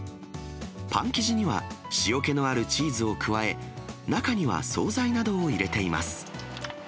パン生地には、塩けのあるチーズを加え、中には総菜などを入れています。